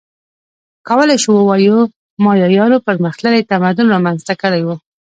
کولای شو ووایو مایایانو پرمختللی تمدن رامنځته کړی و